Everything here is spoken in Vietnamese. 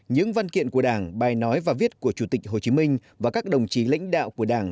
những văn kiện của đảng bài nói và viết của chủ tịch hồ chí minh và các đồng chí lãnh đạo của đảng